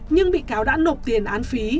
nhưng bị cáo đã nộp tiền án phí